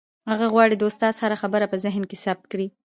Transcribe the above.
هغه غواړي د استاد هره خبره په ذهن کې ثبت کړي.